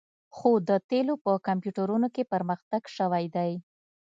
خو د تیلو په کمپیوټرونو کې پرمختګ شوی دی